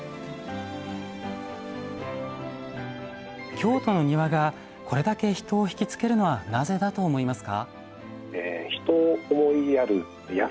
京都の庭がこれだけ人を惹きつけるのはなぜだと思いますか？